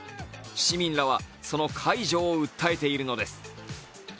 市民らは、その解除を訴えているのです。